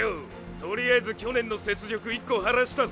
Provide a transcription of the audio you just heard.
とりあえず去年の雪辱１コ晴らしたぜ。